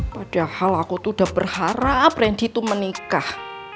padahal aku tuh udah berharap ren diitu menikah